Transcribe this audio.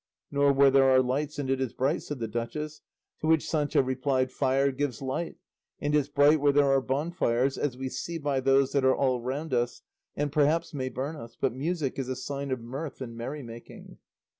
"Nor where there are lights and it is bright," said the duchess; to which Sancho replied, "Fire gives light, and it's bright where there are bonfires, as we see by those that are all round us and perhaps may burn us; but music is a sign of mirth and merrymaking."